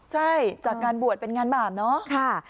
จากการบวชเป็นงานบาปเนอะ